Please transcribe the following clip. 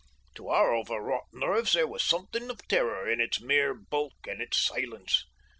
To our overwrought nerves there was something of terror in its mere bulk and its silence.